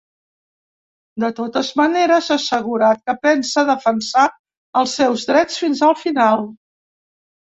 De totes maneres, ha assegurat que pensa defensar els seus drets fins al final.